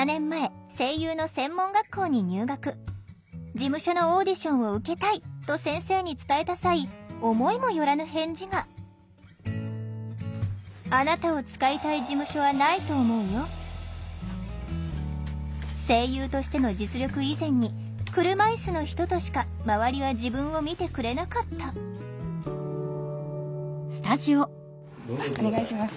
「事務所のオーディションを受けたい！」と先生に伝えた際思いも寄らぬ返事が声優としての実力以前に車いすの人としか周りは自分を見てくれなかったお願いします。